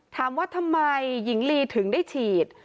ถามว่าทำไมหญิงลีถึงได้ฉีด